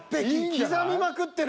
刻みまくってる。